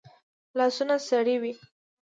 لاسونه سړې وي